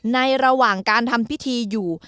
ระหว่างการทำพิธีอยู่